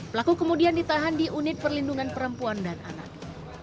pelaku kemudian ditahan di unit perlindungan perempuan dan anak